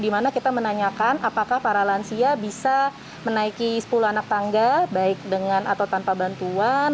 dimana kita menanyakan apakah para lansia bisa menaiki sepuluh anak tangga baik dengan atau tanpa bantuan